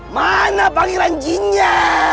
mana panggilan jinnya